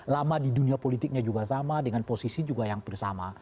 lama di dunia politiknya juga sama dengan posisi juga yang hampir sama